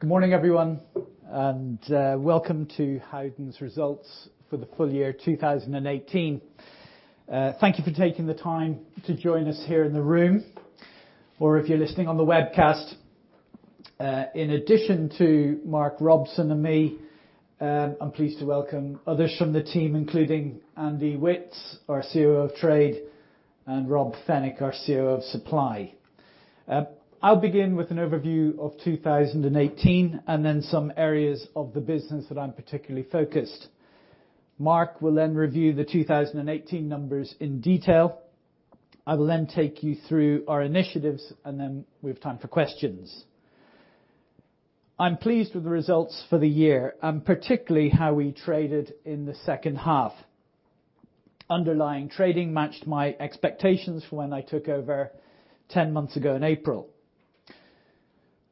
Good morning, everyone. Welcome to Howdens results for the full year 2018. Thank you for taking the time to join us here in the room or if you're listening on the webcast. In addition to Mark Robson and me, I'm pleased to welcome others from the team, including Andy Witts, our CEO of Trade, and Rob Fenwick, our CEO of Supply. I'll begin with an overview of 2018 and then some areas of the business that I'm particularly focused. Mark will then review the 2018 numbers in detail. I will then take you through our initiatives. We have time for questions. I'm pleased with the results for the year, particularly how we traded in the second half. Underlying trading matched my expectations for when I took over 10 months ago in April.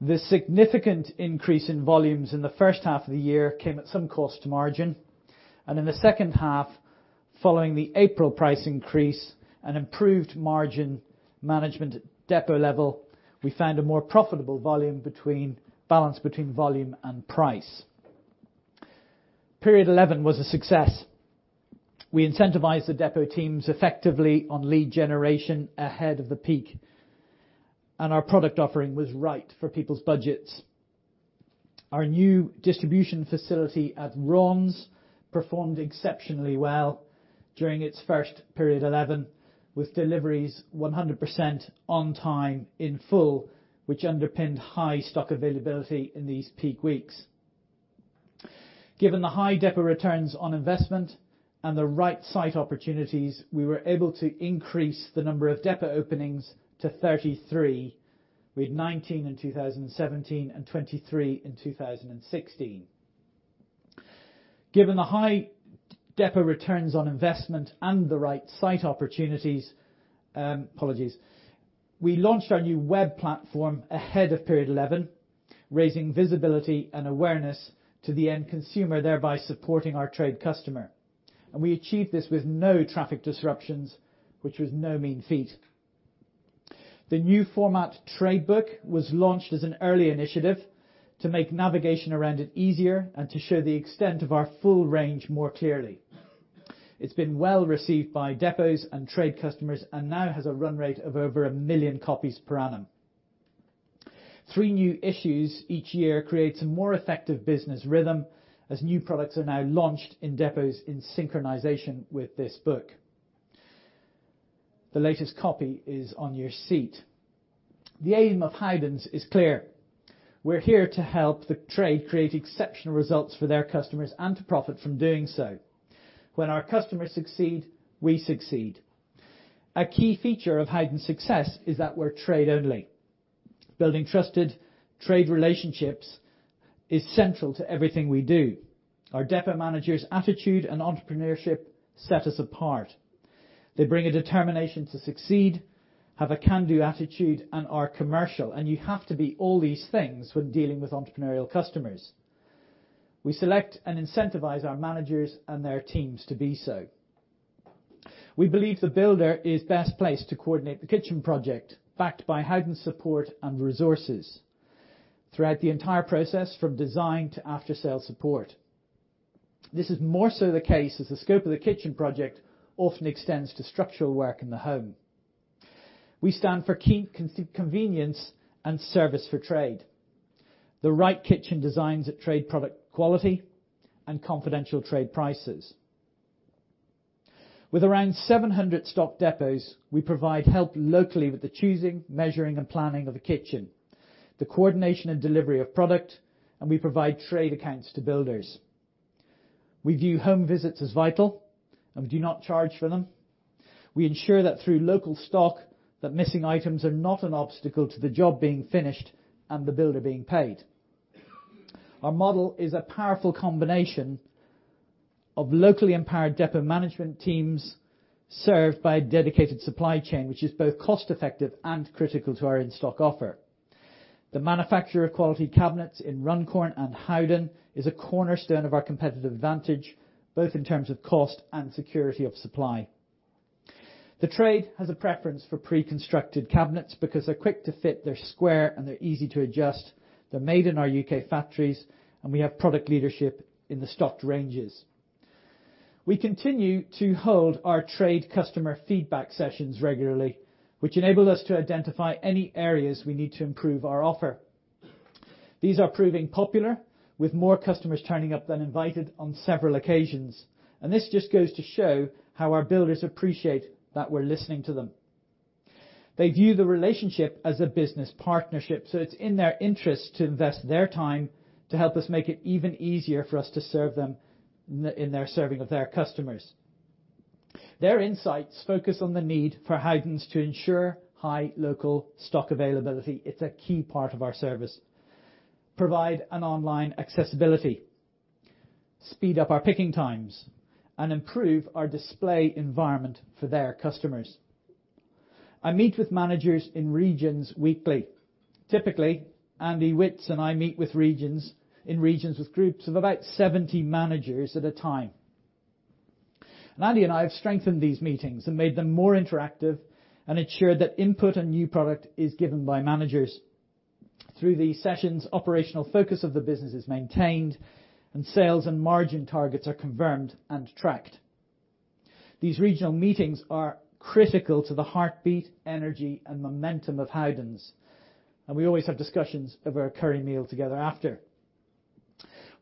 The significant increase in volumes in the first half of the year came at some cost to margin. In the second half, following the April price increase and improved margin management depot level, we found a more profitable balance between volume and price. Period 11 was a success. We incentivized the depot teams effectively on lead generation ahead of the peak. Our product offering was right for people's budgets. Our new distribution facility at Raunds performed exceptionally well during its first period 11 with deliveries 100% on time in full, which underpinned high stock availability in these peak weeks. Given the high depot returns on investment and the right site opportunities, we were able to increase the number of depot openings to 33 with 19 in 2017 and 23 in 2016. We launched our new web platform ahead of period 11, raising visibility and awareness to the end consumer, thereby supporting our trade customer. We achieved this with no traffic disruptions, which was no mean feat. The new format trade book was launched as an early initiative to make navigation around it easier and to show the extent of our full range more clearly. It's been well-received by depots and trade customers and now has a run rate of over 1 million copies per annum. Three new issues each year creates a more effective business rhythm as new products are now launched in depots in synchronization with this book. The latest copy is on your seat. The aim of Howdens is clear. We're here to help the trade create exceptional results for their customers and to profit from doing so. When our customers succeed, we succeed. A key feature of Howdens success is that we're trade only. Building trusted trade relationships is central to everything we do. Our depot managers' attitude and entrepreneurship set us apart. They bring a determination to succeed, have a can-do attitude and are commercial. You have to be all these things when dealing with entrepreneurial customers. We select and incentivize our managers and their teams to be so. We believe the builder is best placed to coordinate the kitchen project, backed by Howdens support and resources throughout the entire process from design to after-sale support. This is more so the case as the scope of the kitchen project often extends to structural work in the home. We stand for convenience and service for trade, the right kitchen designs at trade product quality, confidential trade prices. With around 700 stock depots, we provide help locally with the choosing, measuring, and planning of a kitchen, the coordination and delivery of product, and we provide trade accounts to builders. We view home visits as vital and we do not charge for them. We ensure that through local stock that missing items are not an obstacle to the job being finished and the builder being paid. Our model is a powerful combination of locally empowered depot management teams served by a dedicated supply chain, which is both cost-effective and critical to our in-stock offer. The manufacturer of quality cabinets in Runcorn and Howden is a cornerstone of our competitive advantage, both in terms of cost and security of supply. The trade has a preference for pre-constructed cabinets because they're quick to fit, they're square, and they're easy to adjust. They're made in our U.K. factories, we have product leadership in the stocked ranges. We continue to hold our trade customer feedback sessions regularly, which enable us to identify any areas we need to improve our offer. These are proving popular with more customers turning up than invited on several occasions, this just goes to show how our builders appreciate that we're listening to them. They view the relationship as a business partnership, it's in their interest to invest their time to help us make it even easier for us to serve them in their serving of their customers. Their insights focus on the need for Howdens to ensure high local stock availability, it's a key part of our service, provide an online accessibility, speed up our picking times, and improve our display environment for their customers. I meet with managers in regions weekly. Typically, Andy Witts and I meet in regions with groups of about 70 managers at a time. Andy and I have strengthened these meetings and made them more interactive and ensured that input on new product is given by managers. Through these sessions, operational focus of the business is maintained and sales and margin targets are confirmed and tracked. These regional meetings are critical to the heartbeat, energy, and momentum of Howdens, we always have discussions over a curry meal together after.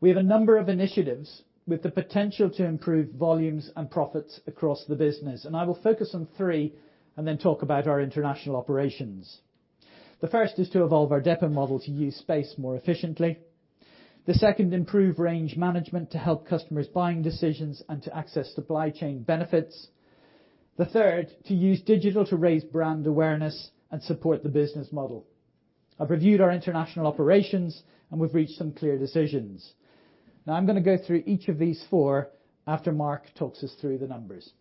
We have a number of initiatives with the potential to improve volumes and profits across the business, I will focus on three and then talk about our international operations. The first is to evolve our depot model to use space more efficiently. The second, improve range management to help customers' buying decisions and to access supply chain benefits. The third, to use digital to raise brand awareness and support the business model. I've reviewed our international operations, we've reached some clear decisions. Now, I'm going to go through each of these four after Mark talks us through the numbers.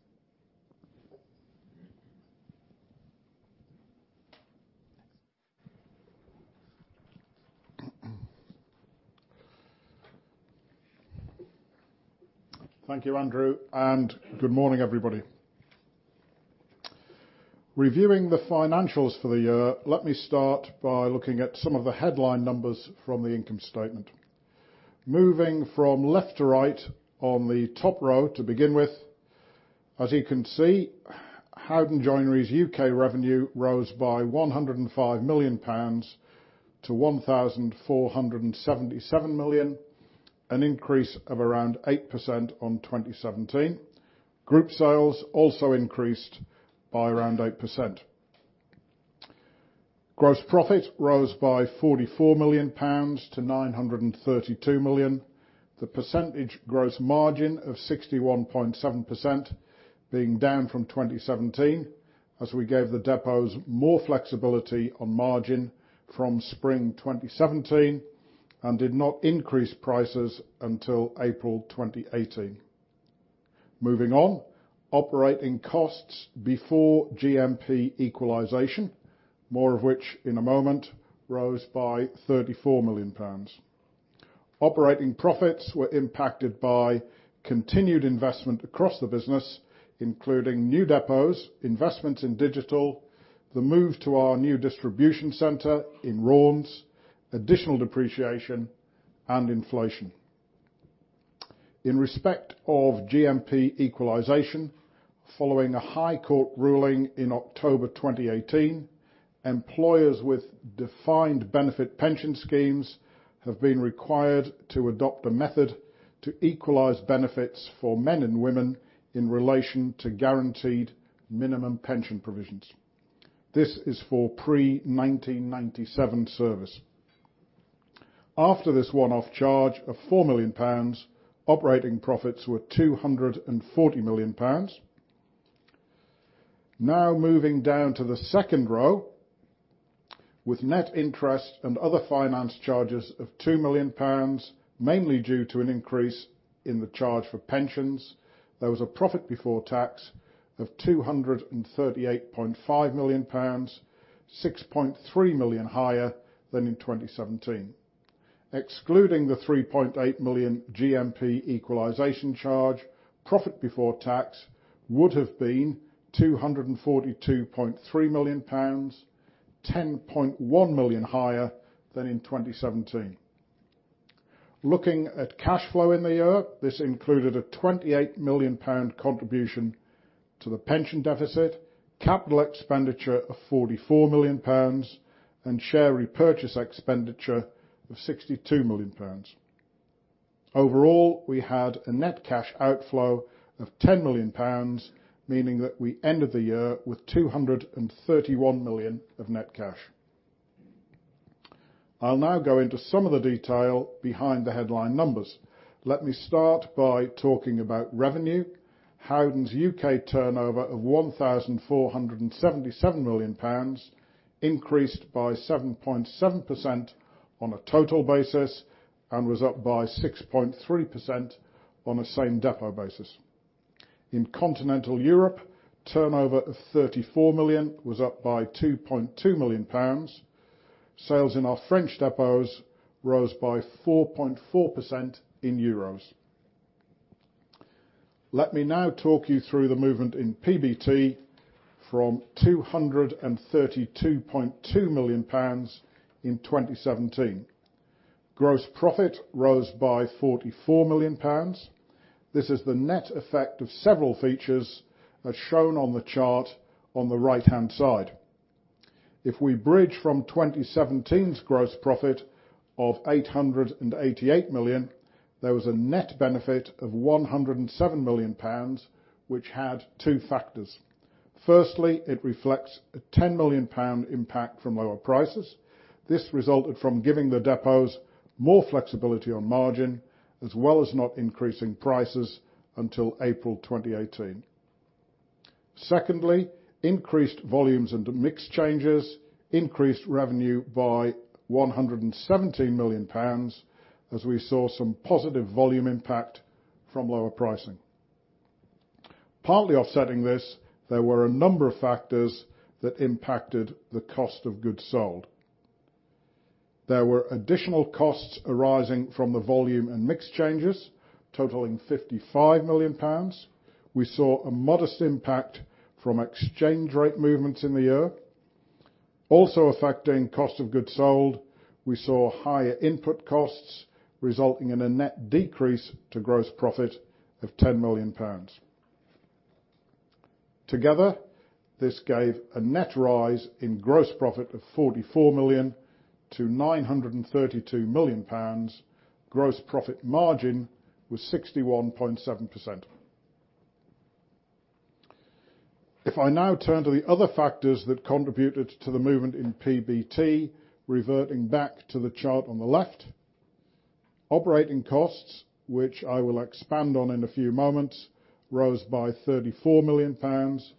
Thank you, Andrew, good morning, everybody. Reviewing the financials for the year, let me start by looking at some of the headline numbers from the income statement. Moving from left to right on the top row to begin with, as you can see, Howden Joinery's U.K. revenue rose by 105 million pounds to 1,477 million, an increase of around 8% on 2017. Group sales also increased by around 8%. Gross profit rose by 44 million pounds to 932 million. The percentage growth margin of 61.7% being down from 2017 as we gave the depots more flexibility on margin from spring 2017 and did not increase prices until April 2018. Moving on, operating costs before GMP equalization, more of which in a moment, rose by 34 million pounds. Operating profits were impacted by continued investment across the business, including new depots, investments in digital, the move to our new distribution center in Raunds, additional depreciation, inflation. In respect of GMP equalization, following a High Court ruling in October 2018, employers with defined benefit pension schemes have been required to adopt a method to equalize benefits for men and women in relation to guaranteed minimum pension provisions. This is for pre-1997 service. After this one-off charge of 4 million pounds, operating profits were 240 million pounds. Now moving down to the second row, with net interest and other finance charges of 2 million pounds, mainly due to an increase in the charge for pensions, there was a profit before tax of 238.5 million pounds, 6.3 million higher than in 2017. Excluding the 3.8 million GMP equalization charge, profit before tax would have been 242.3 million pounds, 10.1 million higher than in 2017. Looking at cash flow in the year, this included a 28 million pound contribution to the pension deficit, capital expenditure of 44 million pounds, share repurchase expenditure of 62 million pounds. Overall, we had a net cash outflow of 10 million pounds, meaning that we ended the year with 231 million of net cash. I'll now go into some of the detail behind the headline numbers. Let me start by talking about revenue. Howdens U.K. turnover of 1,477 million pounds increased by 7.7% on a total basis, was up by 6.3% on a same depot basis. In Continental Europe, turnover of 34 million was up by 2.2 million pounds. Sales in our French depots rose by 4.4% in EUR. Let me now talk you through the movement in PBT from 232.2 million pounds in 2017. Gross profit rose by 44 million pounds. This is the net effect of several features as shown on the chart on the right-hand side. If we bridge from 2017's gross profit of 888 million, there was a net benefit of 107 million pounds, which had two factors. Firstly, it reflects a 10 million pound impact from lower prices. This resulted from giving the depots more flexibility on margin, as well as not increasing prices until April 2018. Secondly, increased volumes, mix changes increased revenue by 117 million pounds as we saw some positive volume impact from lower pricing. Partly offsetting this, there were a number of factors that impacted the cost of goods sold. There were additional costs arising from the volume, mix changes totaling 55 million pounds. We saw a modest impact from exchange rate movements in the year. Also affecting COGS, we saw higher input costs resulting in a net decrease to gross profit of 10 million pounds. Together, this gave a net rise in gross profit of 44 million to 932 million pounds. Gross profit margin was 61.7%. I now turn to the other factors that contributed to the movement in PBT, reverting back to the chart on the left, operating costs, which I will expand on in a few moments, rose by 34 million pounds,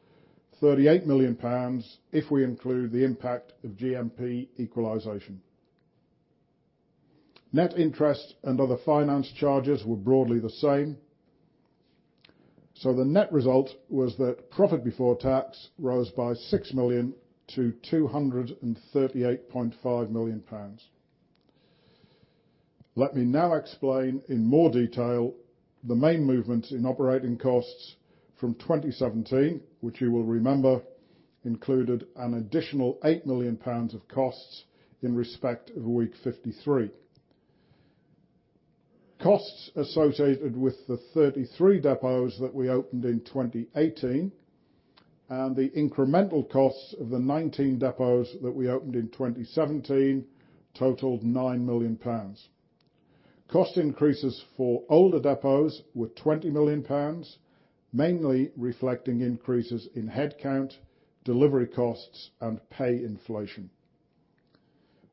38 million pounds if we include the impact of GMP equalization. Net interest and other finance charges were broadly the same. The net result was that profit before tax rose by 6 million to 238.5 million pounds. Let me now explain in more detail the main movement in operating costs from 2017, which you will remember included an additional 8 million pounds of costs in respect of week 53. Costs associated with the 33 depots that we opened in 2018 and the incremental costs of the 19 depots that we opened in 2017 totaled 9 million pounds. Cost increases for older depots were 20 million pounds, mainly reflecting increases in headcount, delivery costs, and pay inflation.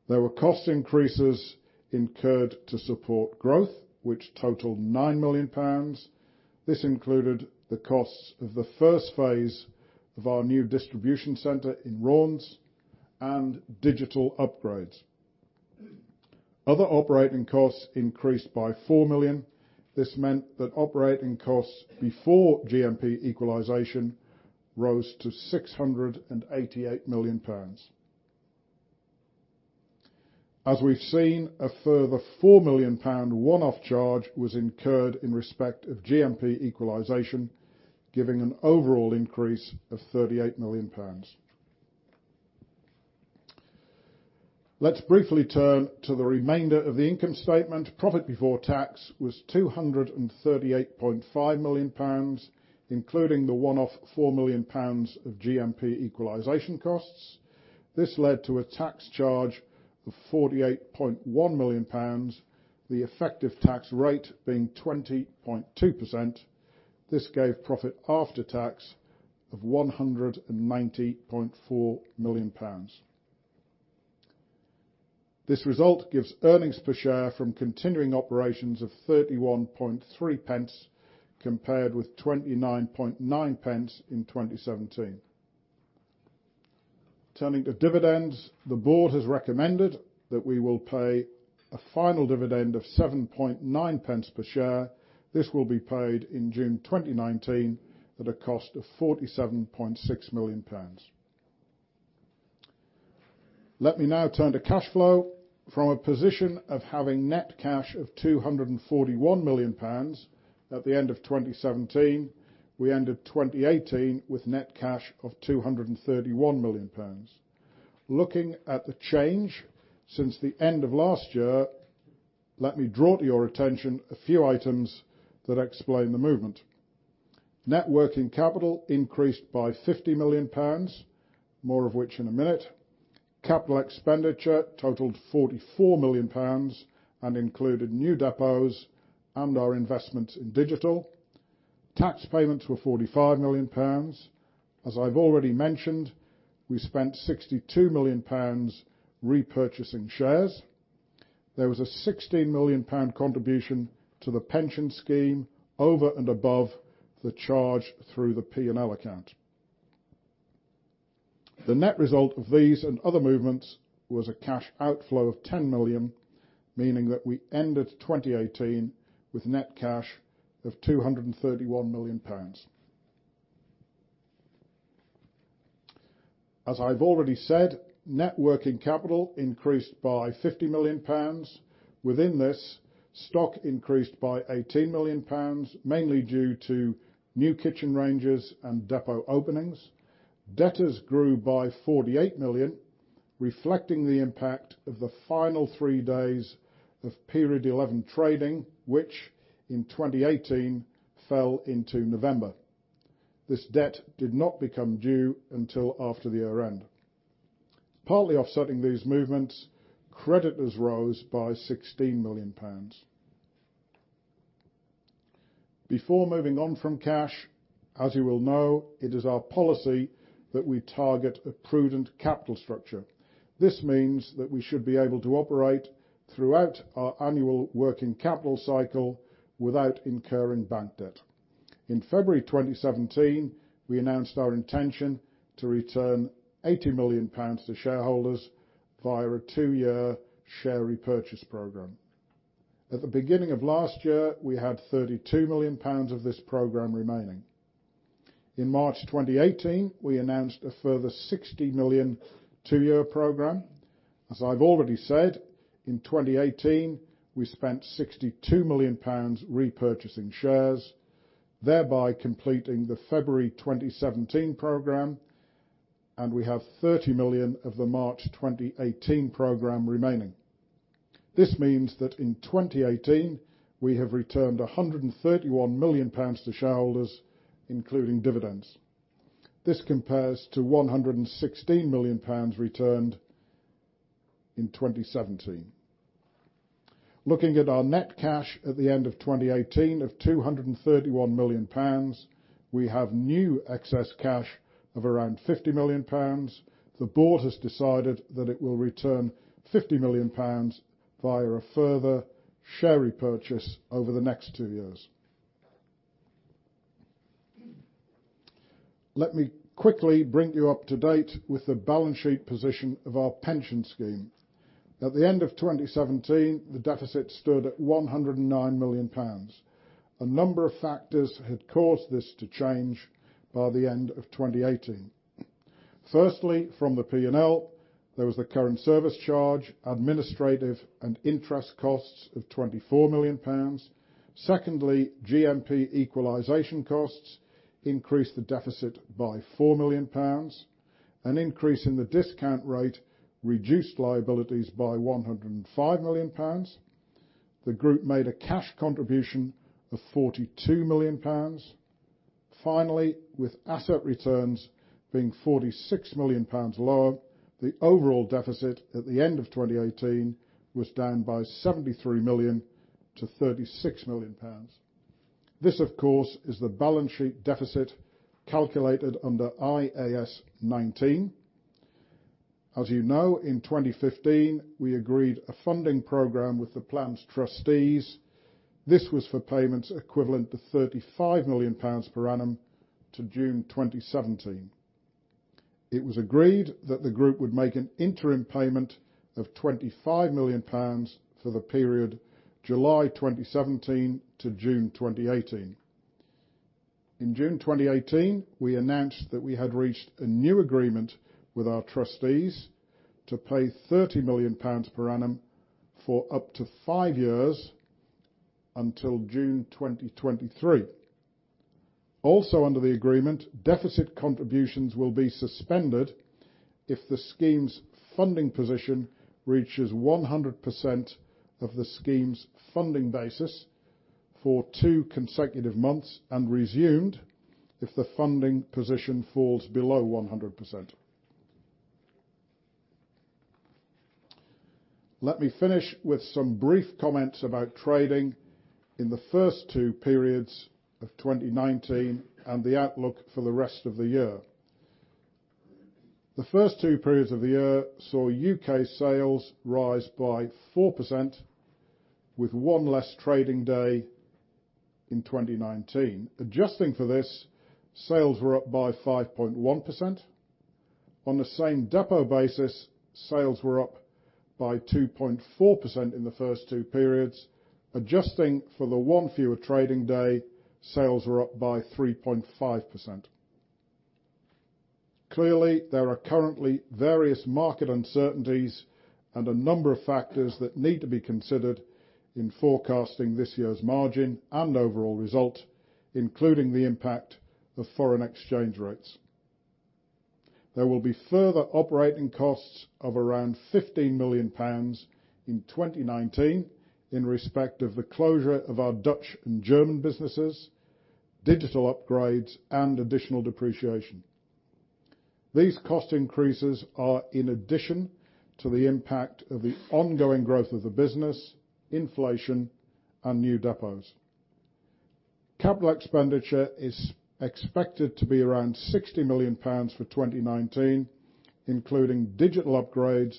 There were cost increases incurred to support growth, which totaled 9 million pounds. This included the costs of the first phase of our new distribution center in Raunds and digital upgrades. Other operating costs increased by 4 million. This meant that operating costs before GMP equalization rose to 688 million pounds. As we've seen, a further 4 million pound one-off charge was incurred in respect of GMP equalization, giving an overall increase of 38 million pounds. Let's briefly turn to the remainder of the income statement. Profit before tax was 238.5 million pounds, including the one-off 4 million pounds of GMP equalization costs. This led to a tax charge of 48.1 million pounds, the effective tax rate being 20.2%. This gave profit after tax of 190.4 million pounds. This result gives earnings per share from continuing operations of 0.313 compared with 0.299 in 2017. Turning to dividends, the board has recommended that we will pay a final dividend of 0.079 per share. This will be paid in June 2019 at a cost of 47.6 million pounds. Let me now turn to cash flow. From a position of having net cash of 241 million pounds at the end of 2017, we ended 2018 with net cash of 231 million pounds. Looking at the change since the end of last year, let me draw to your attention a few items that explain the movement. Net working capital increased by 50 million pounds, more of which in a minute. CapEx totaled 44 million pounds and included new depots and our investments in digital. Tax payments were 45 million pounds. As I've already mentioned, we spent 62 million pounds repurchasing shares. There was a 16 million pound contribution to the pension scheme over and above the charge through the P&L account. The net result of these and other movements was a cash outflow of 10 million, meaning that we ended 2018 with net cash of 231 million pounds. As I've already said, net working capital increased by 50 million pounds. Within this, stock increased by 18 million pounds, mainly due to new kitchen ranges and depot openings. Debtors grew by 48 million, reflecting the impact of the final three days of period 11 trading, which in 2018 fell into November. This debt did not become due until after the year-end. Partly offsetting these movements, creditors rose by GBP 16 million. Before moving on from cash, as you will know, it is our policy that we target a prudent capital structure. This means that we should be able to operate throughout our annual working capital cycle without incurring bank debt. In February 2017, we announced our intention to return 80 million pounds to shareholders via a two-year share repurchase program. At the beginning of last year, we had 32 million pounds of this program remaining. In March 2018, we announced a further 60 million two-year program. As I've already said, in 2018, we spent 62 million pounds repurchasing shares, thereby completing the February 2017 program, and we have 30 million of the March 2018 program remaining. This means that in 2018, we have returned 131 million pounds to shareholders, including dividends. This compares to 116 million pounds returned in 2017. Looking at our net cash at the end of 2018 of 231 million pounds, we have new excess cash of around 50 million pounds. The board has decided that it will return 50 million pounds via a further share repurchase over the next two years. Let me quickly bring you up to date with the balance sheet position of our pension scheme. At the end of 2017, the deficit stood at 109 million pounds. A number of factors had caused this to change by the end of 2018. Firstly, from the P&L, there was the current service charge, administrative and interest costs of 24 million pounds. Secondly, GMP equalization costs increased the deficit by 4 million pounds. An increase in the discount rate reduced liabilities by 105 million pounds. The group made a cash contribution of 42 million pounds. Finally, with asset returns being 46 million pounds lower, the overall deficit at the end of 2018 was down by 73 million to 36 million pounds. This, of course, is the balance sheet deficit calculated under IAS 19. As you know, in 2015, we agreed a funding program with the plan's trustees. This was for payments equivalent to 35 million pounds per annum to June 2017. It was agreed that the group would make an interim payment of 25 million pounds for the period July 2017 to June 2018. In June 2018, we announced that we had reached a new agreement with our trustees to pay 30 million pounds per annum for up to five years until June 2023. Also under the agreement, deficit contributions will be suspended if the scheme's funding position reaches 100% of the scheme's funding basis for two consecutive months, and resumed if the funding position falls below 100%. Let me finish with some brief comments about trading in the first two periods of 2019 and the outlook for the rest of the year. The first two periods of the year saw U.K. sales rise by 4% with one less trading day in 2019. Adjusting for this, sales were up by 5.1%. On the same depot basis, sales were up by 2.4% in the first two periods. Adjusting for the one fewer trading day, sales were up by 3.5%. There are currently various market uncertainties and a number of factors that need to be considered in forecasting this year's margin and overall result, including the impact of foreign exchange rates. There will be further operating costs of around 15 million pounds in 2019 in respect of the closure of our Dutch and German businesses, digital upgrades, and additional depreciation. These cost increases are in addition to the impact of the ongoing growth of the business, inflation, and new depots. Capital expenditure is expected to be around 60 million pounds for 2019, including digital upgrades,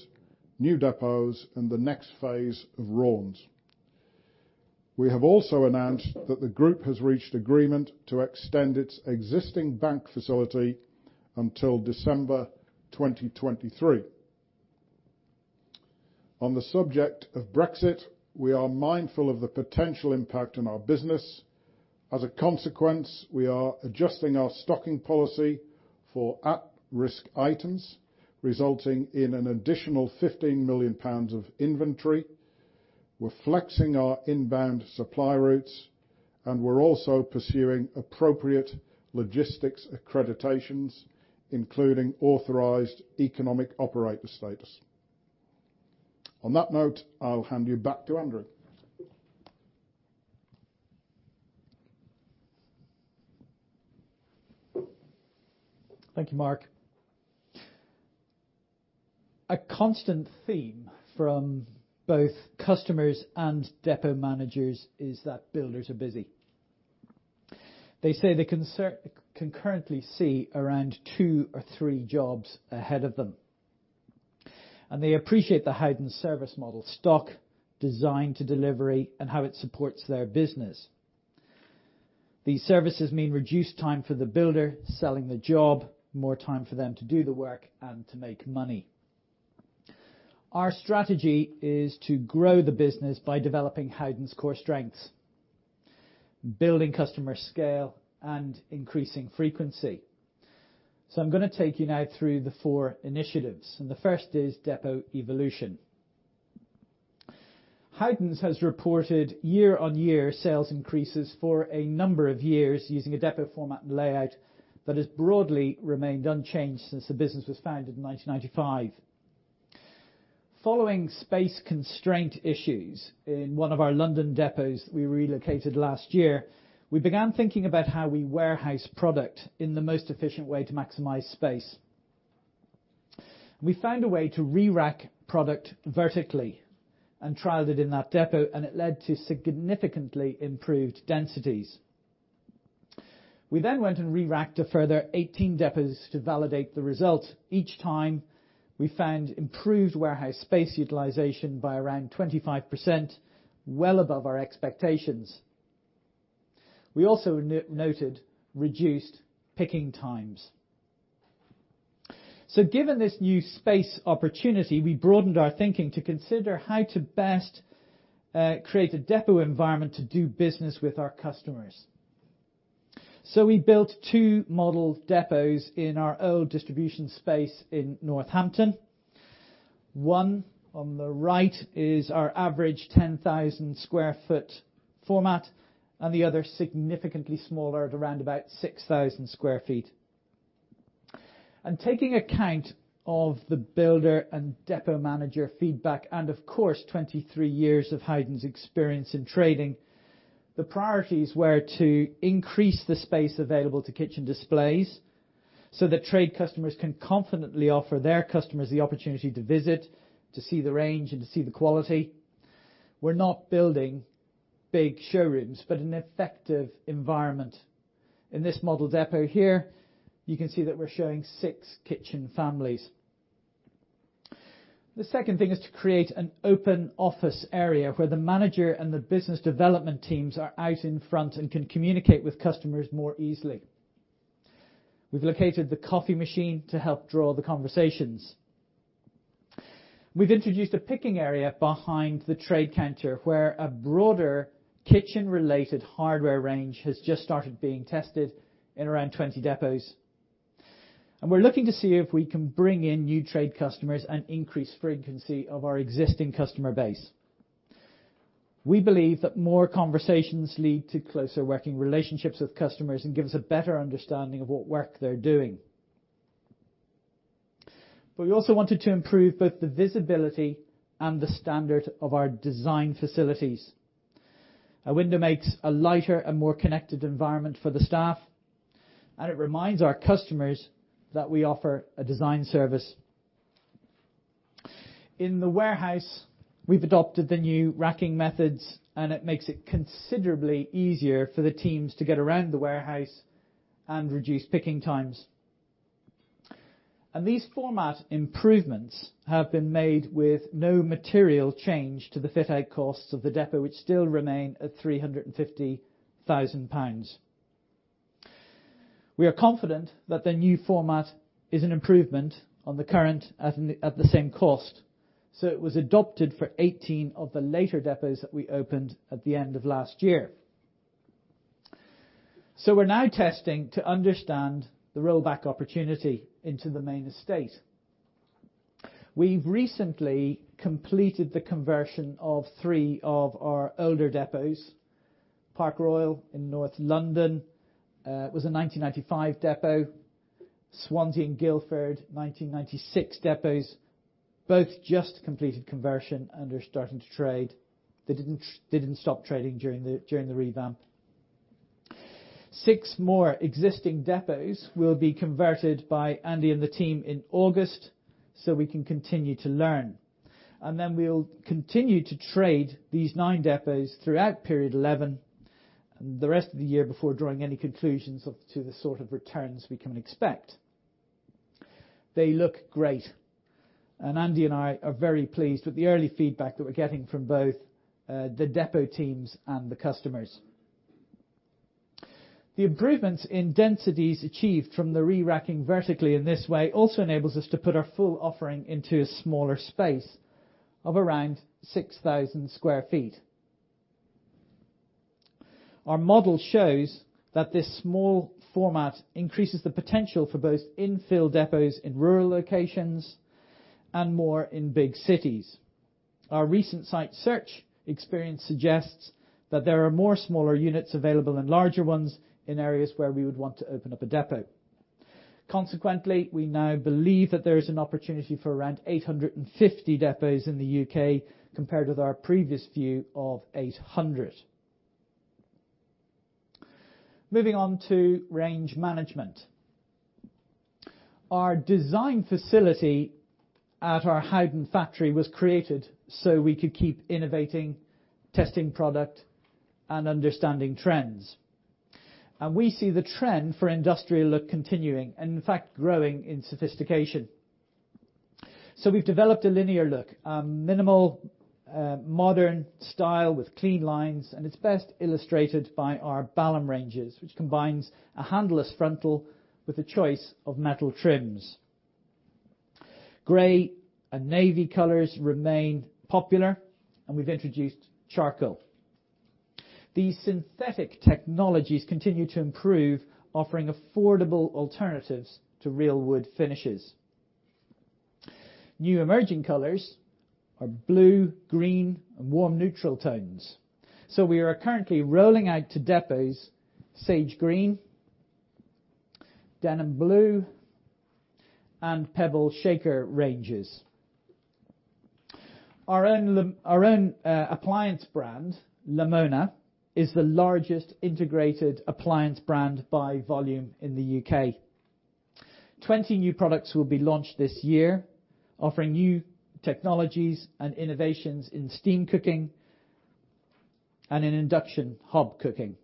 new depots, and the next phase of Raunds. We have also announced that the group has reached agreement to extend its existing bank facility until December 2023. On the subject of Brexit, we are mindful of the potential impact on our business. As a consequence, we are adjusting our stocking policy for at-risk items, resulting in an additional 15 million pounds of inventory. We're flexing our inbound supply routes, and we're also pursuing appropriate logistics accreditations, including authorized economic operator status. On that note, I'll hand you back to Andrew. Thank you, Mark. A constant theme from both customers and depot managers is that builders are busy. They say they can currently see around two or three jobs ahead of them, and they appreciate the Howdens service model stock designed to delivery and how it supports their business. These services mean reduced time for the builder selling the job, more time for them to do the work and to make money. Our strategy is to grow the business by developing Howdens core strengths, building customer scale, and increasing frequency. I'm going to take you now through the four initiatives, and the first is depot evolution. Howdens has reported year-on-year sales increases for a number of years using a depot format and layout that has broadly remained unchanged since the business was founded in 1995. Following space constraint issues in one of our London depots we relocated last year, we began thinking about how we warehouse product in the most efficient way to maximize space. We found a way to re-rack product vertically and trialed it in that depot, and it led to significantly improved densities. We then went and re-racked a further 18 depots to validate the results. Each time, we found improved warehouse space utilization by around 25%, well above our expectations. We also noted reduced picking times. Given this new space opportunity, we broadened our thinking to consider how to best create a depot environment to do business with our customers. We built two model depots in our old distribution space in Northampton. One, on the right, is our average 10,000 square foot format, and the other significantly smaller at around about 6,000 square feet. Taking account of the builder and depot manager feedback and, of course, 23 years of Howdens experience in trading, the priorities were to increase the space available to kitchen displays so that trade customers can confidently offer their customers the opportunity to visit, to see the range, and to see the quality. We're not building big showrooms, but an effective environment. In this model depot here, you can see that we're showing six kitchen families. The second thing is to create an open office area where the manager and the business development teams are out in front and can communicate with customers more easily. We've located the coffee machine to help draw the conversations. We've introduced a picking area behind the trade counter, where a broader kitchen related hardware range has just started being tested in around 20 depots. We're looking to see if we can bring in new trade customers and increase frequency of our existing customer base. We believe that more conversations lead to closer working relationships with customers and give us a better understanding of what work they're doing. We also wanted to improve both the visibility and the standard of our design facilities. A window makes a lighter and more connected environment for the staff, and it reminds our customers that we offer a design service. In the warehouse, we've adopted the new racking methods, it makes it considerably easier for the teams to get around the warehouse and reduce picking times. These format improvements have been made with no material change to the fit out costs of the depot, which still remain at 350,000 pounds. We are confident that the new format is an improvement on the current at the same cost. It was adopted for 18 of the later depots that we opened at the end of last year. We're now testing to understand the rollback opportunity into the main estate. We've recently completed the conversion of three of our older depots. Park Royal in North London, was a 1995 depot. Swansea and Guildford, 1996 depots. Both just completed conversion and are starting to trade. They didn't stop trading during the revamp. Six more existing depots will be converted by Andy and the team in August so we can continue to learn. Then we'll continue to trade these nine depots throughout period 11 and the rest of the year before drawing any conclusions as to the sort of returns we can expect. They look great. Andy and I are very pleased with the early feedback that we're getting from both the depot teams and the customers. The improvements in densities achieved from the re-racking vertically in this way also enables us to put our full offering into a smaller space of around 6,000 sq ft. Our model shows that this small format increases the potential for both infill depots in rural locations and more in big cities. Our recent site search experience suggests that there are more smaller units available than larger ones in areas where we would want to open up a depot. Consequently, we now believe that there is an opportunity for around 850 depots in the U.K. compared with our previous view of 800. Moving on to range management. Our design facility at our Howden factory was created so we could keep innovating, testing product, and understanding trends. We see the trend for industrial look continuing, and in fact, growing in sophistication. We've developed a linear look, a minimal, a modern style with clean lines, and it's best illustrated by our Balham ranges, which combines a handleless frontal with a choice of metal trims. Gray and navy colors remain popular, and we've introduced charcoal. The synthetic technologies continue to improve, offering affordable alternatives to real wood finishes. New emerging colors are blue, green, and warm neutral tones. We are currently rolling out to depots Sage Green, Denim Blue, and Pebble Shaker ranges. Our own appliance brand, Lamona, is the largest integrated appliance brand by volume in the U.K. 20 new products will be launched this year, offering new technologies and innovations in steam cooking and in induction hob cooking.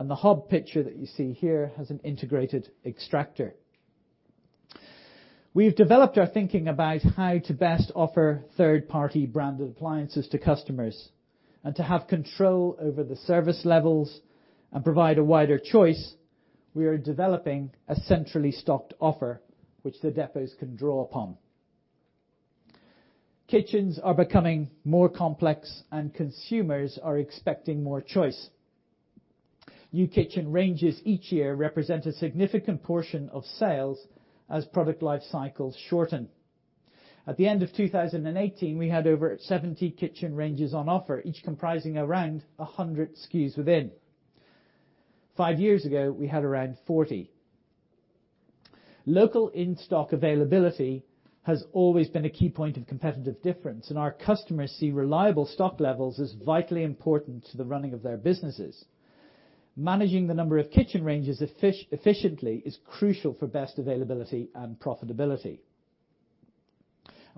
The hob picture that you see here has an integrated extractor. We've developed our thinking about how to best offer third-party branded appliances to customers, and to have control over the service levels and provide a wider choice, we are developing a centrally stocked offer which the depots can draw upon. Kitchens are becoming more complex and consumers are expecting more choice. New kitchen ranges each year represent a significant portion of sales as product life cycles shorten. At the end of 2018, we had over 70 kitchen ranges on offer, each comprising around 100 SKUs within. Five years ago, we had around 40. Local in-stock availability has always been a key point of competitive difference, and our customers see reliable stock levels as vitally important to the running of their businesses. Managing the number of kitchen ranges efficiently is crucial for best availability and profitability.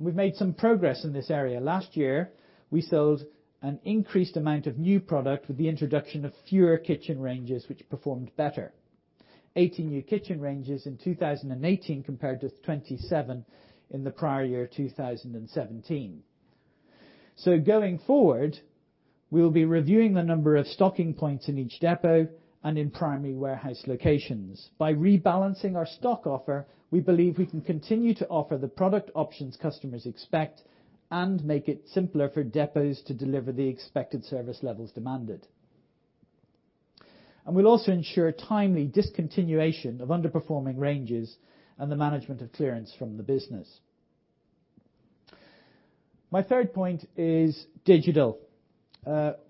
We've made some progress in this area. Last year, we sold an increased amount of new product with the introduction of fewer kitchen ranges, which performed better. 18 new kitchen ranges in 2018 compared to 27 in the prior year, 2017. Going forward, we'll be reviewing the number of stocking points in each depot and in primary warehouse locations. By rebalancing our stock offer, we believe we can continue to offer the product options customers expect and make it simpler for depots to deliver the expected service levels demanded. We'll also ensure timely discontinuation of underperforming ranges and the management of clearance from the business. My third point is digital.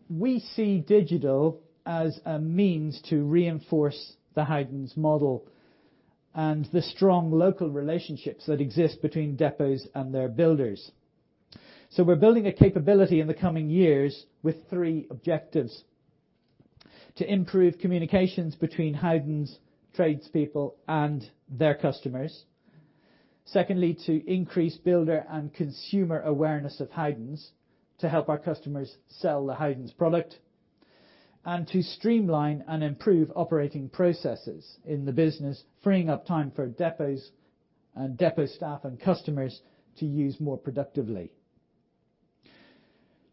We see digital as a means to reinforce the Howdens model and the strong local relationships that exist between depots and their builders. We're building a capability in the coming years with three objectives. To improve communications between Howdens tradespeople and their customers. Secondly, to increase builder and consumer awareness of Howdens to help our customers sell the Howdens product. To streamline and improve operating processes in the business, freeing up time for depots and depot staff and customers to use more productively.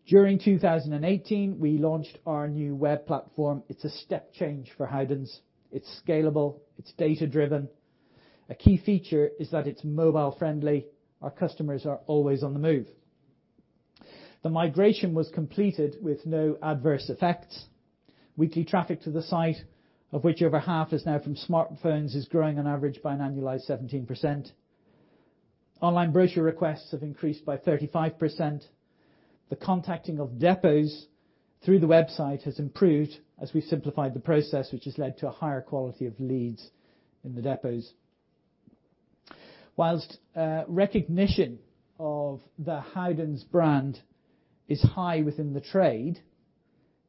During 2018, we launched our new web platform. It's a step change for Howdens. It's scalable. It's data-driven. A key feature is that it's mobile friendly. Our customers are always on the move. The migration was completed with no adverse effects. Weekly traffic to the site, of which over half is now from smartphones, is growing on average by an annualized 17%. Online brochure requests have increased by 35%. The contacting of depots through the website has improved as we simplified the process, which has led to a higher quality of leads in the depots. Whilst recognition of the Howdens brand is high within the trade,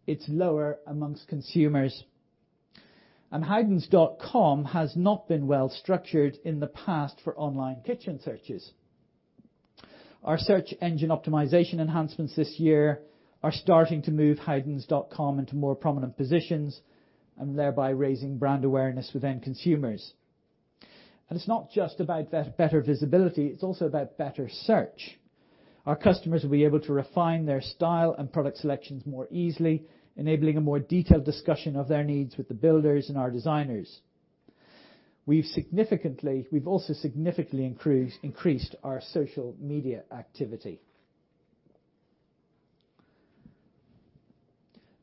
it's lower amongst consumers. howdens.com has not been well structured in the past for online kitchen searches. Our search engine optimization enhancements this year are starting to move howdens.com into more prominent positions and thereby raising brand awareness within consumers. It's not just about better visibility, it's also about better search. Our customers will be able to refine their style and product selections more easily, enabling a more detailed discussion of their needs with the builders and our designers. We've also significantly increased our social media activity.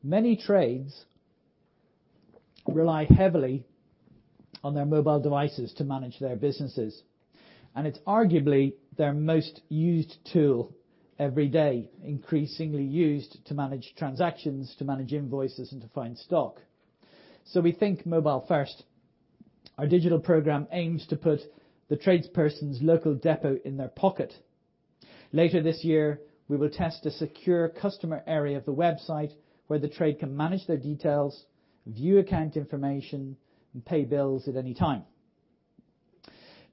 Many trades rely heavily on their mobile devices to manage their businesses, and it's arguably their most used tool every day, increasingly used to manage transactions, to manage invoices, and to find stock. We think mobile first. Our digital program aims to put the tradesperson's local depot in their pocket. Later this year, we will test a secure customer area of the website where the trade can manage their details, view account information, and pay bills at any time.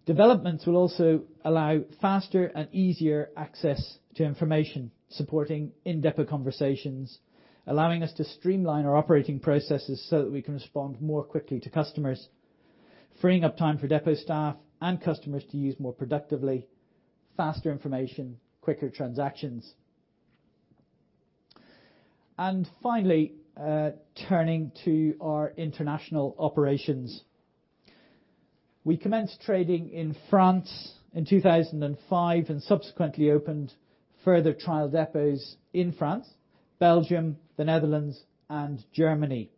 Developments will also allow faster and easier access to information, supporting in-depot conversations, allowing us to streamline our operating processes so that we can respond more quickly to customers. Freeing up time for depot staff and customers to use more productively, faster information, quicker transactions. Finally, turning to our international operations. We commenced trading in France in 2005 and subsequently opened further trial depots in France, Belgium, the Netherlands, and Germany.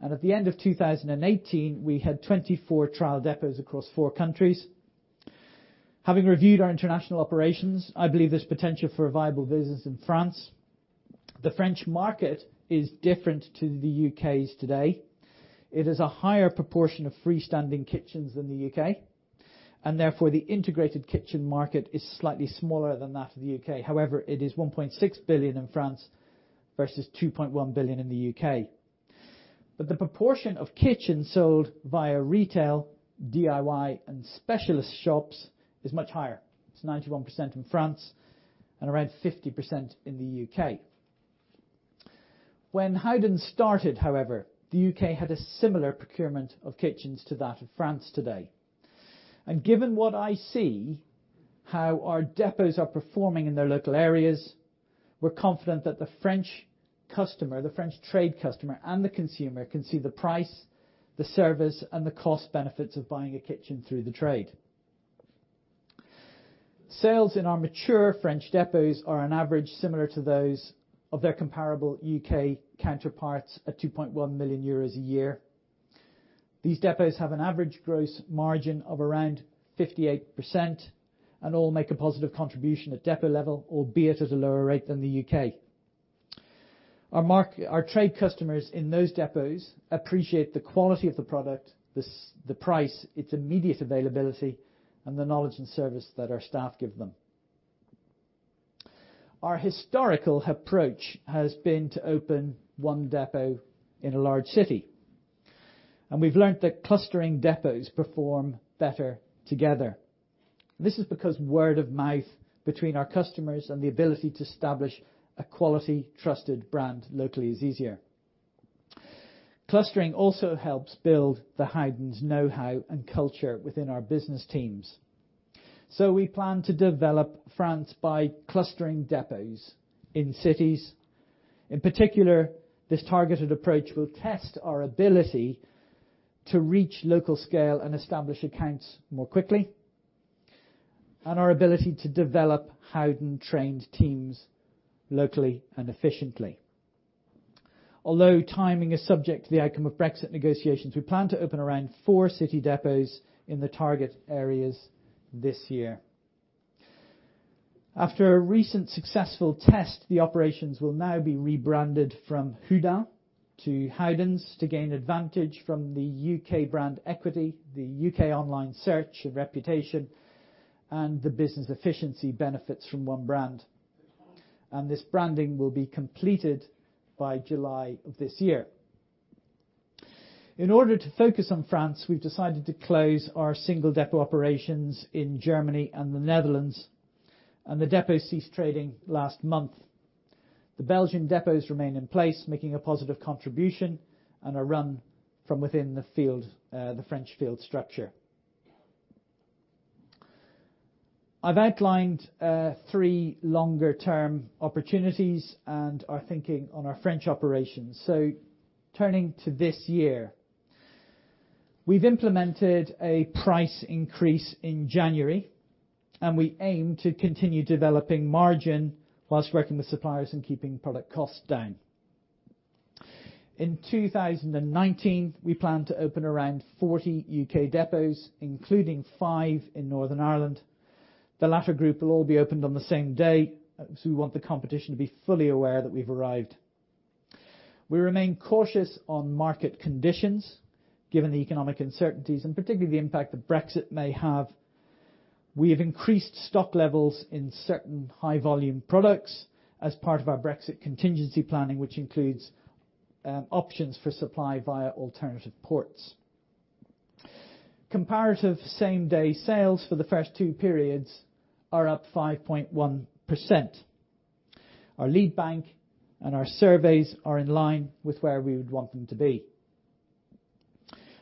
At the end of 2018, we had 24 trial depots across four countries. Having reviewed our international operations, I believe there's potential for a viable business in France. The French market is different to the U.K.'s today. It has a higher proportion of freestanding kitchens than the U.K., and therefore the integrated kitchen market is slightly smaller than that of the U.K. However, it is 1.6 billion in France versus 2.1 billion in the U.K. The proportion of kitchens sold via retail, DIY, and specialist shops is much higher. It's 91% in France and around 50% in the U.K. When Howden started, however, the U.K. had a similar procurement of kitchens to that of France today. Given what I see, how our depots are performing in their local areas, we're confident that the French trade customer and the consumer can see the price, the service, and the cost benefits of buying a kitchen through the trade. Sales in our mature French depots are on average similar to those of their comparable U.K. counterparts at 2.1 million euros a year. These depots have an average gross margin of around 58% and all make a positive contribution at depot level, albeit at a lower rate than the U.K. Our trade customers in those depots appreciate the quality of the product, the price, its immediate availability, and the knowledge and service that our staff give them. Our historical approach has been to open one depot in a large city, and we've learned that clustering depots perform better together. This is because word of mouth between our customers and the ability to establish a quality, trusted brand locally is easier. Clustering also helps build the Howdens knowhow and culture within our business teams. We plan to develop France by clustering depots in cities. In particular, this targeted approach will test our ability to reach local scale and establish accounts more quickly, and our ability to develop Howden-trained teams locally and efficiently. Although timing is subject to the outcome of Brexit negotiations, we plan to open around four city depots in the target areas this year. After a recent successful test, the operations will now be rebranded from Houdan to Howdens to gain advantage from the U.K. brand equity, the U.K. online search and reputation, and the business efficiency benefits from one brand. This branding will be completed by July of this year. In order to focus on France, we've decided to close our single depot operations in Germany and the Netherlands, and the depots ceased trading last month. The Belgian depots remain in place, making a positive contribution and are run from within the French field structure. I've outlined three longer term opportunities and our thinking on our French operations. Turning to this year. We've implemented a price increase in January, and we aim to continue developing margin while working with suppliers and keeping product costs down. In 2019, we plan to open around 40 U.K. depots, including five in Northern Ireland. The latter group will all be opened on the same day as we want the competition to be fully aware that we've arrived. We remain cautious on market conditions, given the economic uncertainties and particularly the impact that Brexit may have. We have increased stock levels in certain high volume products as part of our Brexit contingency planning, which includes options for supply via alternative ports. Comparative same-day sales for the first two periods are up 5.1%. Our lead bank and our surveys are in line with where we would want them to be.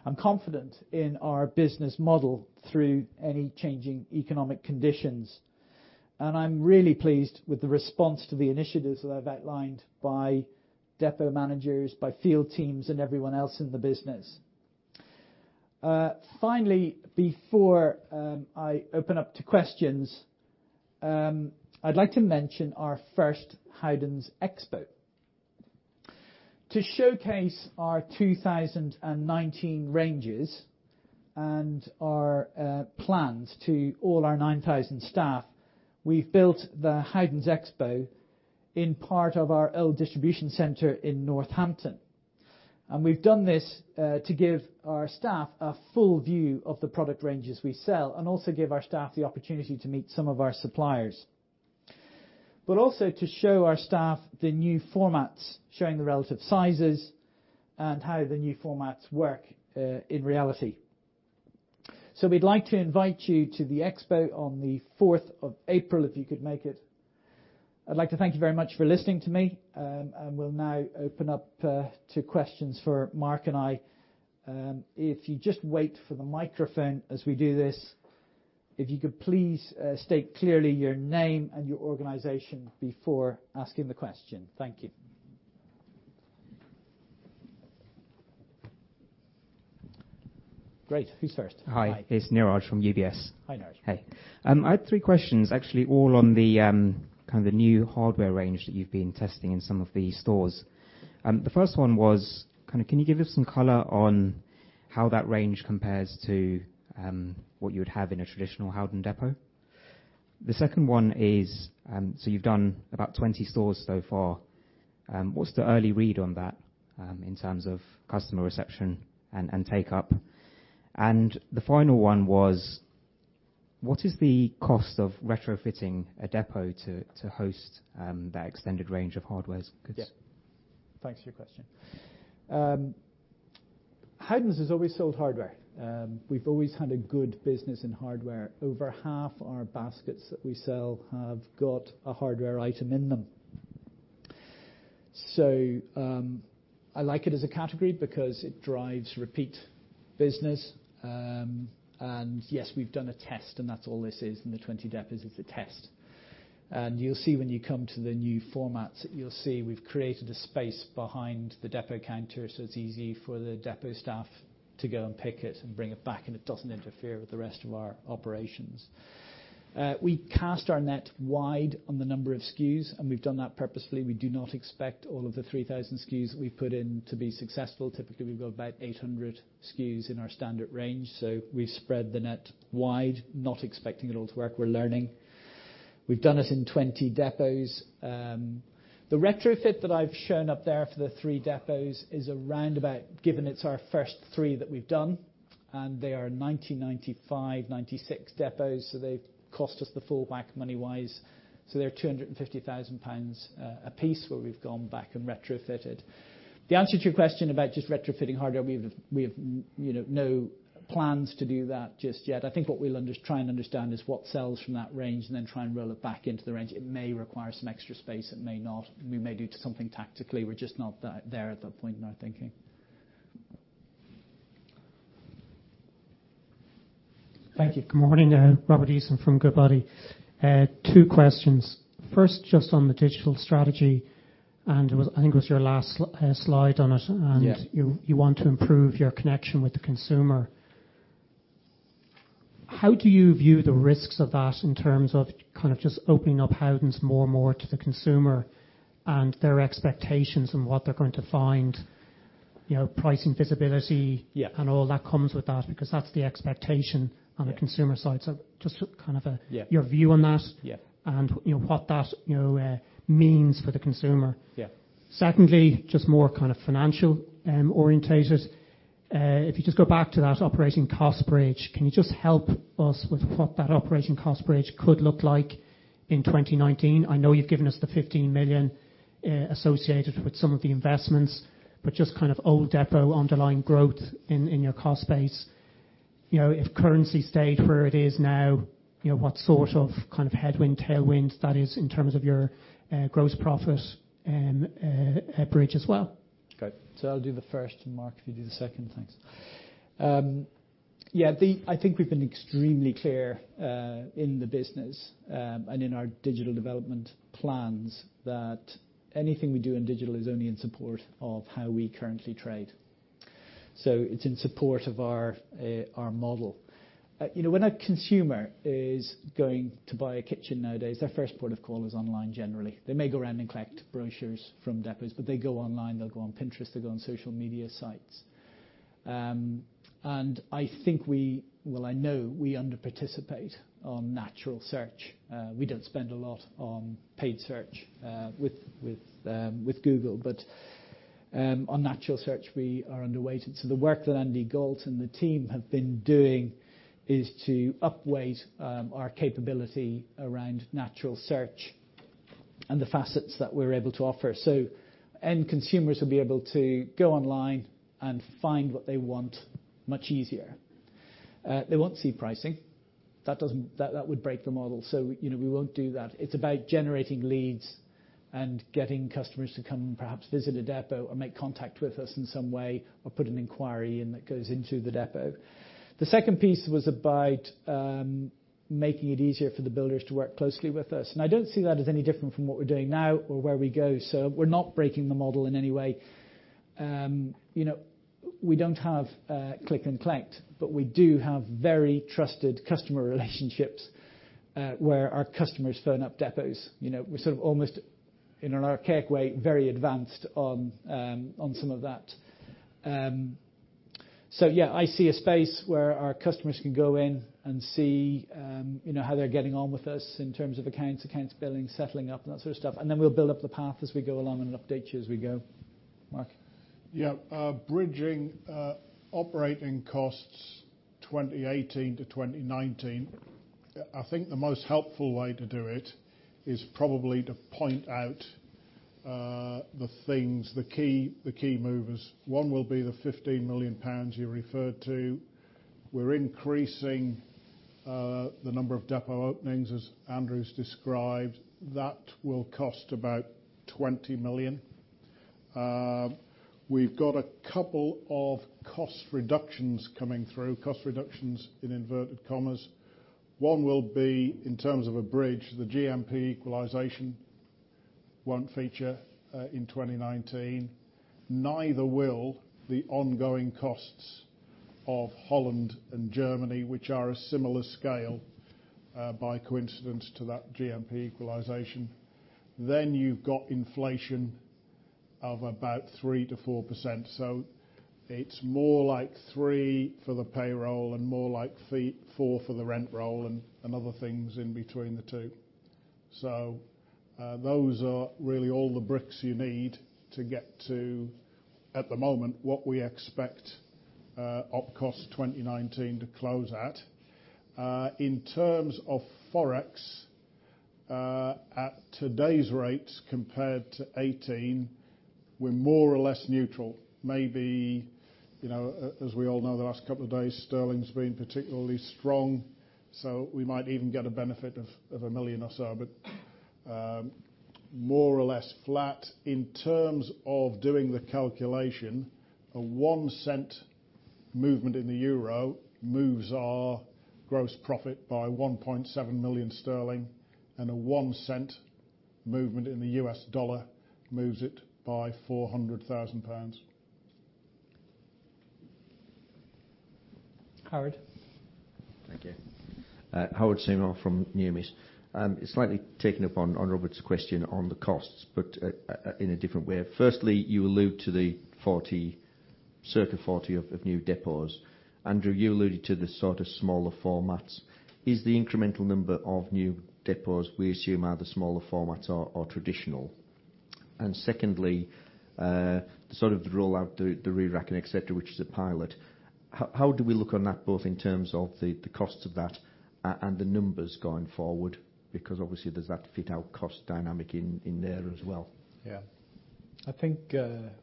I'm confident in our business model through any changing economic conditions, and I'm really pleased with the response to the initiatives that I've outlined by depot managers, by field teams, and everyone else in the business. Finally, before I open up to questions, I'd like to mention our first Howdens Expo. To showcase our 2019 ranges and our plans to all our 9,000 staff, we've built the Howdens Expo in part of our L distribution center in Northampton. We've done this to give our staff a full view of the product ranges we sell and also give our staff the opportunity to meet some of our suppliers. Also to show our staff the new formats, showing the relative sizes and how the new formats work in reality. We'd like to invite you to the expo on the 4th of April, if you could make it. I'd like to thank you very much for listening to me. We'll now open up to questions for Mark and I. If you just wait for the microphone as we do this. If you could please state clearly your name and your organization before asking the question. Thank you. Great. Who's first? Hi. It's Niraj from UBS. Hi, Niraj. Hey. I had three questions actually all on the kind of new hardware range that you've been testing in some of the stores. The first one was kind of can you give us some color on how that range compares to what you would have in a traditional Howden depot? The second one is, you've done about 20 stores so far, what's the early read on that, in terms of customer reception and take-up? The final one was, what is the cost of retrofitting a depot to host that extended range of hardware goods? Yeah. Thanks for your question. Howdens has always sold hardware. We've always had a good business in hardware. Over half our baskets that we sell have got a hardware item in them. I like it as a category because it drives repeat business. Yes, we've done a test, and that's all this is. In the 20 depots is a test. You'll see when you come to the new formats, you'll see we've created a space behind the depot counter, so it's easy for the depot staff to go and pick it and bring it back, and it doesn't interfere with the rest of our operations. We cast our net wide on the number of SKUs, and we've done that purposefully. We do not expect all of the 3,000 SKUs we've put in to be successful. Typically, we've got about 800 SKUs in our standard range. We've spread the net wide, not expecting it all to work. We're learning. We've done it in 20 depots. The retrofit that I've shown up there for the three depots is around about, given it's our first three that we've done, and they are 1995, 1996 depots, they've cost us the full whack money-wise. They're 250,000 pounds a piece where we've gone back and retrofitted. The answer to your question about just retrofitting hardware, we have no plans to do that just yet. I think what we'll try and understand is what sells from that range and then try and roll it back into the range. It may require some extra space, it may not. We may do something tactically. We're just not there at that point in our thinking. Thank you. Good morning. Robert Easton from Goodbody. Two questions. First, just on the digital strategy, I think it was your last slide on it. Yeah. You want to improve your connection with the consumer. How do you view the risks of that in terms of kind of just opening up Howdens more and more to the consumer and their expectations and what they're going to find, pricing, visibility Yeah and all that comes with that? Because that's the expectation on the consumer side. Just to kind of Yeah your view on that. Yeah. What that means for the consumer. Yeah. Secondly, just more kind of financial orientated. If you just go back to that operating cost bridge, can you just help us with what that operating cost bridge could look like in 2019? I know you've given us the 15 million associated with some of the investments, but just kind of old depot underlying growth in your cost base. If currency stayed where it is now, what sort of kind of headwind, tailwind that is in terms of your gross profit bridge as well? Okay, I'll do the first, and Mark, if you do the second. Thanks. Yeah, I think we've been extremely clear, in the business and in our digital development plans that anything we do in digital is only in support of how we currently trade. It's in support of our model. When a consumer is going to buy a kitchen nowadays, their first port of call is online generally. They may go around and collect brochures from depots. They go online, they'll go on Pinterest, they'll go on social media sites. I think we Well, I know we underparticipate on natural search. We don't spend a lot on paid search with Google. On natural search, we are underweighted. The work that Andy Gault and the team have been doing is to upweight our capability around natural search and the facets that we're able to offer. End consumers will be able to go online and find what they want much easier. They won't see pricing. That would break the model, we won't do that. It's about generating leads and getting customers to come and perhaps visit a depot or make contact with us in some way or put an inquiry in that goes into the depot. The second piece was about making it easier for the builders to work closely with us. I don't see that as any different from what we're doing now or where we go. We're not breaking the model in any way. We don't have click and collect, but we do have very trusted customer relationships where our customers phone up depots. We're sort of almost in an archaic way, very advanced on some of that. Yeah, I see a space where our customers can go in and see how they're getting on with us in terms of accounts billing, settling up, and that sort of stuff. Then we'll build up the path as we go along and update you as we go. Mark? Yeah. Bridging operating costs 2018-2019, I think the most helpful way to do it is probably to point out the things, the key movers, one will be the 15 million pounds you referred to. We're increasing the number of depot openings, as Andrew's described. That will cost about 20 million. We've got a couple of cost reductions coming through, cost reductions in inverted commas. One will be in terms of a bridge, the GMP equalization won't feature in 2019. Neither will the ongoing costs of Holland and Germany, which are a similar scale, by coincidence, to that GMP equalization. You've got inflation of about 3%-4%. It's more like 3 for the payroll and more like 4 for the rent roll and other things in between the two. Those are really all the bricks you need to get to, at the moment, what we expect OpEx 2019 to close at. In terms of Forex, at today's rates compared to 2018, we're more or less neutral. Maybe, as we all know, the last couple of days sterling's been particularly strong, so we might even get a benefit of 1 million or so. More or less flat. In terms of doing the calculation, a 0.01 movement in the euro moves our gross profit by 1.7 million sterling, and a $0.01 movement in the US dollar moves it by 400,000 pounds. Howard. Thank you. Howard Seymour from Numis. Slightly taking up on Robert's question on the costs, but in a different way. Firstly, you allude to the circa 40 of new depots. Andrew, you alluded to the sort of smaller formats. Is the incremental number of new depots we assume are the smaller formats or traditional? Secondly, the sort of rollout, the reracking, et cetera, which is a pilot, how do we look on that, both in terms of the costs of that and the numbers going forward? Obviously there's that fit-out cost dynamic in there as well. Yeah. I think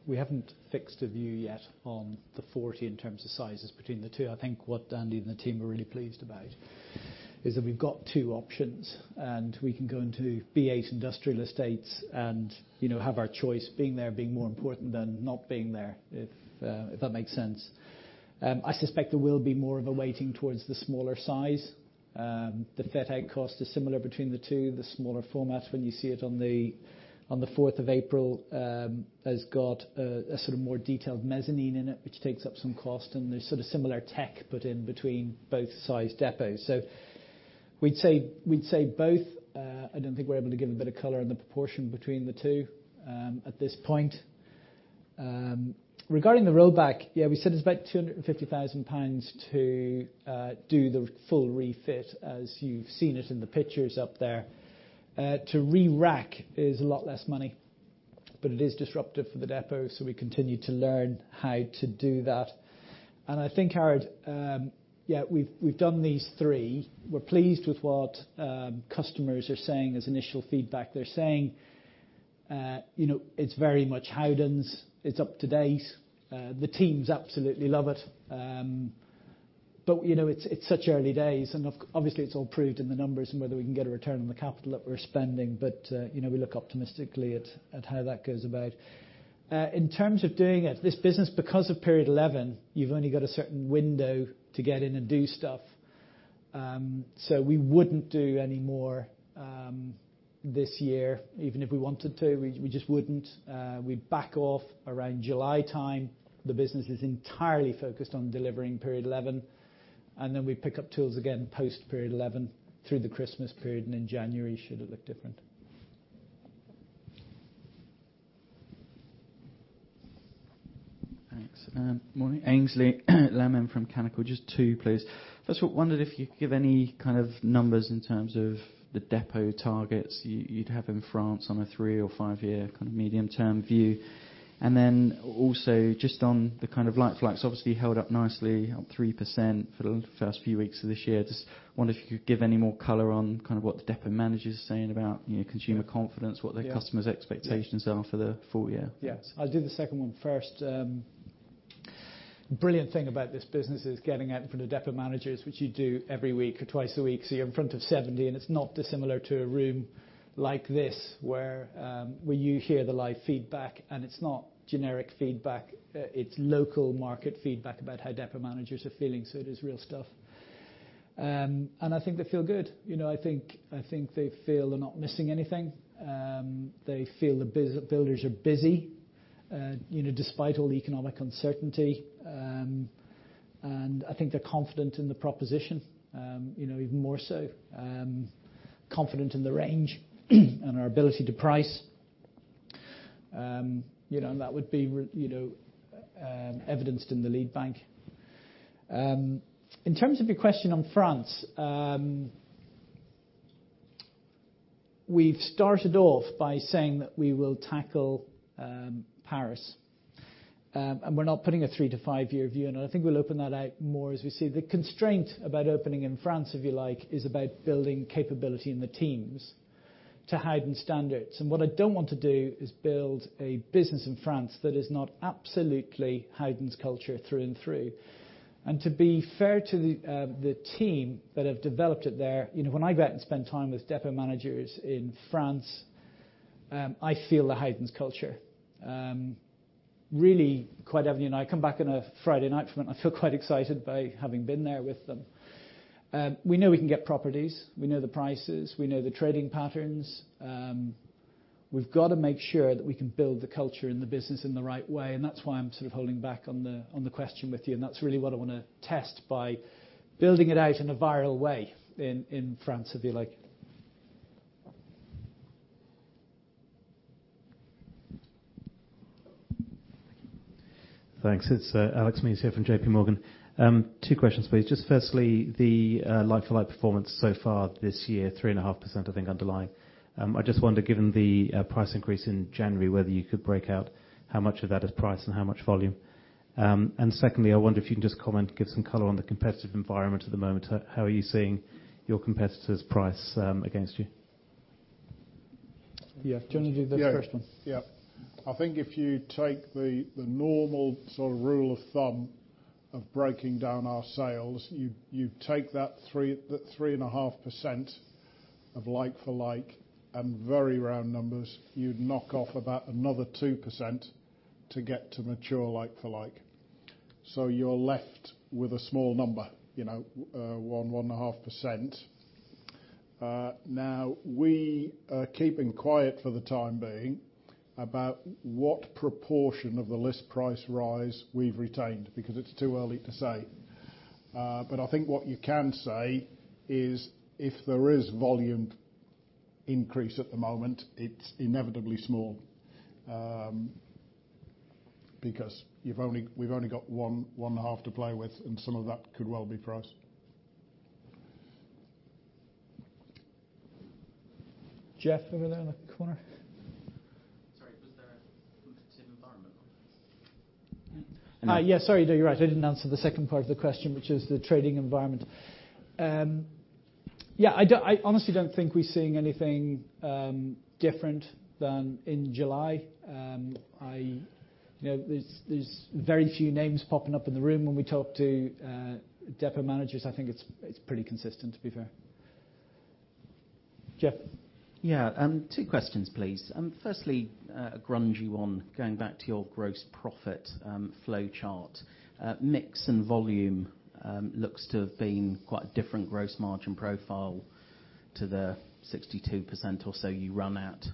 we haven't fixed a view yet on the 40 in terms of sizes between the two. I think what Andy and the team are really pleased about is that we've got two options, and we can go into B8 industrial estates and have our choice, being there being more important than not being there, if that makes sense. I suspect there will be more of a weighting towards the smaller size. The fit out cost is similar between the two. The smaller format, when you see it on the 4th of April, has got a sort of more detailed mezzanine in it, which takes up some cost, and there's sort of similar tech put in between both size depots. We'd say both. I don't think we're able to give a bit of color on the proportion between the two at this point. Regarding the rollback, yeah, we said it's about 250,000 pounds to do the full refit, as you've seen it in the pictures up there. To re-rack is a lot less money, but it is disruptive for the depot. We continue to learn how to do that. I think, Howard, yeah, we've done these three. We're pleased with what customers are saying as initial feedback. They're saying it's very much Howden's. It's up to date. The teams absolutely love it. It's such early days, and obviously it's all proved in the numbers and whether we can get a return on the capital that we're spending. We look optimistically at how that goes about. In terms of doing it, this business, because of period 11, you've only got a certain window to get in and do stuff. We wouldn't do any more this year, even if we wanted to, we just wouldn't. We back off around July time. The business is entirely focused on delivering period 11. We pick up tools again post period 11 through the Christmas period and in January should it look different. Thanks. Morning. Aynsley Lammin from Canaccord. Just two, please. First, I wondered if you could give any kind of numbers in terms of the depot targets you'd have in France on a three or five-year kind of medium term view. Also just on the kind of like-for-likes, obviously held up nicely, up 3% for the first few weeks of this year. Just wonder if you could give any more color on kind of what the depot manager's saying about consumer confidence- Yeah what the customers' expectations are for the full year. Yeah. I'll do the second one first. Brilliant thing about this business is getting out in front of depot managers, which you do every week or twice a week. You're in front of 70, and it's not dissimilar to a room like this where you hear the live feedback, and it's not generic feedback. It's local market feedback about how depot managers are feeling. It is real stuff. I think they feel good. I think they feel they're not missing anything. They feel the builders are busy despite all the economic uncertainty. I think they're confident in the proposition even more so, confident in the range and our ability to price. That would be evidenced in the lead bank. In terms of your question on France, we've started off by saying that we will tackle Paris. We're not putting a three to five-year view in. I think we'll open that out more as we see. The constraint about opening in France, if you like, is about building capability in the teams to Howden standards. What I don't want to do is build a business in France that is not absolutely Howdens culture through and through. To be fair to the team that have developed it there, when I go out and spend time with depot managers in France, I feel the Howdens culture. Really, quite often, I come back on a Friday night from it and I feel quite excited by having been there with them. We know we can get properties. We know the prices. We know the trading patterns. We've got to make sure that we can build the culture and the business in the right way, and that's why I'm sort of holding back on the question with you, and that's really what I want to test by building it out in a viral way in France, if you like. Thanks. It is Alex Mears here from J.P. Morgan. Two questions, please. Just firstly, the like-for-like performance so far this year, 3.5% I think underlying. I just wonder, given the price increase in January, whether you could break out how much of that is price and how much volume. Secondly, I wonder if you can just comment, give some color on the competitive environment at the moment. How are you seeing your competitors' price against you? Yeah. Do you want to do this first one? Yeah. I think if you take the normal sort of rule of thumb of breaking down our sales, you take that 3.5% of like-for-like, and very round numbers, you'd knock off about another 2% to get to mature like-for-like. You are left with a small number, one, 1.5%. Now, we are keeping quiet for the time being about what proportion of the list price rise we've retained, because it is too early to say. I think what you can say is if there is volume increase at the moment, it is inevitably small, because we've only got one, 1.5 to play with, and some of that could well be price. Geoff, over there in the corner. Sorry, was there a competitive environment on this? Yes. Sorry. No, you're right. I didn't answer the second part of the question, which is the trading environment. I honestly don't think we're seeing anything different than in July. There's very few names popping up in the room when we talk to depot managers. I think it's pretty consistent, to be fair. Geoff. Yeah. Two questions, please. Firstly, a grungy one, going back to your gross profit flowchart. Mix and volume looks to have been quite a different gross margin profile to the 62% or so you run at.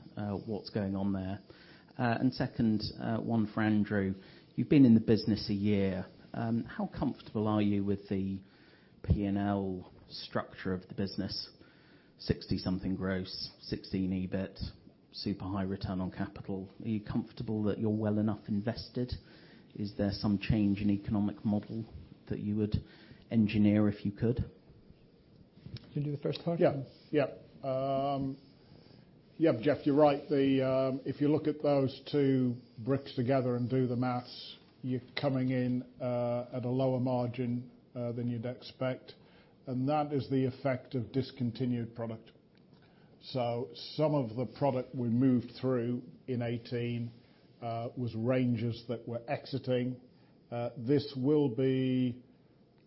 What's going on there? Second, one for Andrew. You've been in the business a year. How comfortable are you with the P&L structure of the business, 60-something% gross, 16% EBIT, super high return on capital? Are you comfortable that you're well enough invested? Is there some change in economic model that you would engineer if you could? You do the first part? Yeah. Geoff, you're right. If you look at those two bricks together and do the maths, you're coming in at a lower margin than you'd expect. That is the effect of discontinued product. Some of the product we moved through in 2018 was ranges that we're exiting. This will be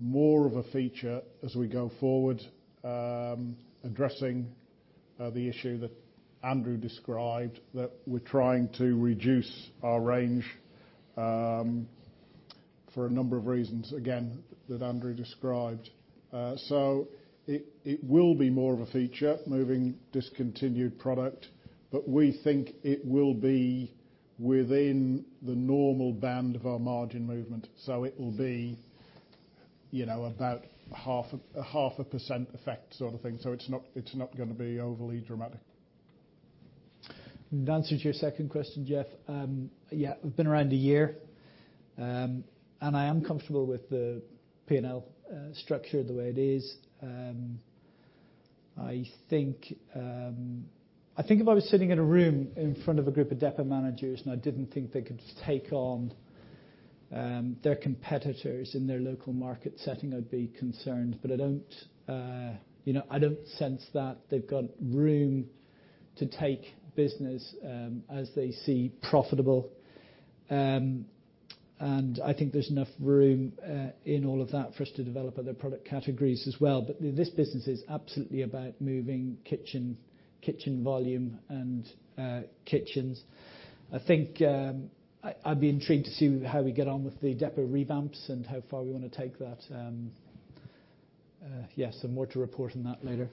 more of a feature as we go forward, addressing the issue that Andrew described, that we're trying to reduce our range for a number of reasons, again, that Andrew described. It will be more of a feature, moving discontinued product, but we think it will be within the normal band of our margin movement. It will be about a 0.5% effect sort of thing. It's not going to be overly dramatic. The answer to your second question, Geoff, yeah, I've been around a year. I am comfortable with the P&L structure the way it is. I think if I was sitting in a room in front of a group of depot managers and I didn't think they could take on their competitors in their local market setting, I'd be concerned. I don't sense that they've got room to take business as they see profitable. I think there's enough room in all of that for us to develop other product categories as well. This business is absolutely about moving kitchen volume and kitchens. I think I'd be intrigued to see how we get on with the depot revamps and how far we want to take that. Yes. More to report on that later.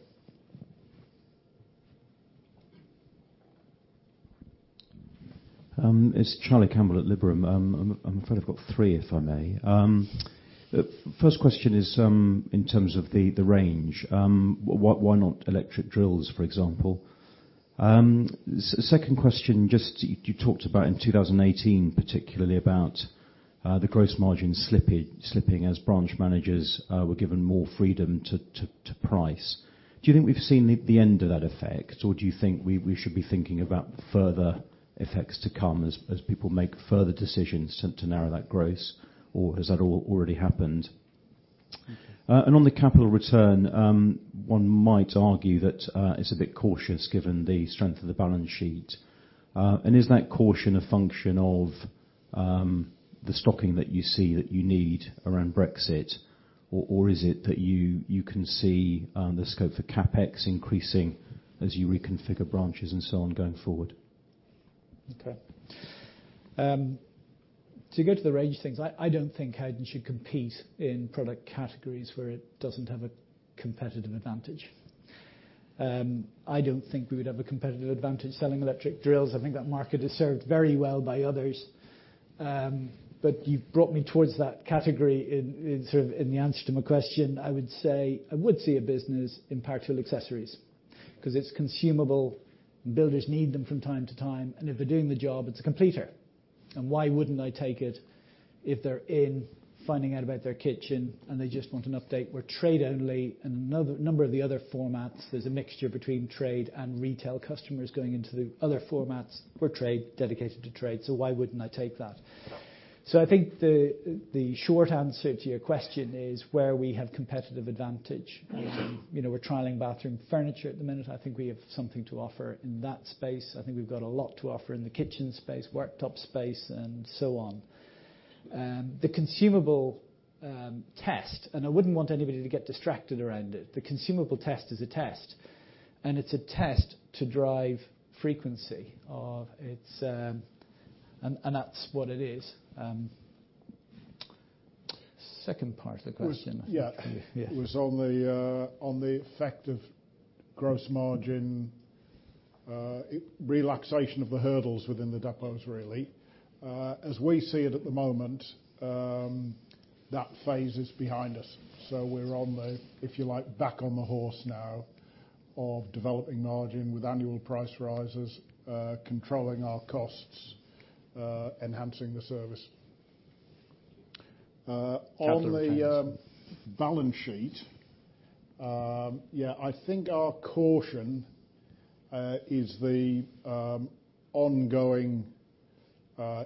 It's Charlie Campbell at Liberum. I'm afraid I've got three, if I may. First question is in terms of the range. Why not electric drills, for example? Second question, just you talked about in 2018, particularly about the gross margin slipping as branch managers were given more freedom to price. Do you think we've seen the end of that effect, or do you think we should be thinking about further effects to come as people make further decisions to narrow that gross, or has that all already happened? On the capital return, one might argue that it's a bit cautious given the strength of the balance sheet. Is that caution a function of the stocking that you see that you need around Brexit? Is it that you can see the scope for CapEx increasing as you reconfigure branches and so on going forward? Okay. To go to the range of things, I don't think Howden should compete in product categories where it doesn't have a competitive advantage. I don't think we would have a competitive advantage selling electric drills. I think that market is served very well by others. You've brought me towards that category in the answer to my question. I would say I would see a business in power tool accessories because it's consumable, and builders need them from time to time, and if they're doing the job, it's a completer. Why wouldn't they take it if they're in finding out about their kitchen, and they just want an update? We're trade only and a number of the other formats, there's a mixture between trade and retail customers going into the other formats. We're trade, dedicated to trade, why wouldn't I take that? I think the short answer to your question is where we have competitive advantage. We're trialing bathroom furniture at the minute. I think we have something to offer in that space. I think we've got a lot to offer in the kitchen space, worktop space, and so on. The consumable test, and I wouldn't want anybody to get distracted around it, the consumable test is a test, and it's a test to drive frequency of its That's what it is. Second part of the question. Yeah. Yeah. It was on the effect of gross margin, relaxation of the hurdles within the depots, really. As we see it at the moment, that phase is behind us. We're on the, if you like, back on the horse now of developing margin with annual price rises, controlling our costs, enhancing the service. Capital returns. On the balance sheet, yeah, I think our caution is the ongoing